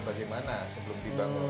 bagaimana sebelum dibangun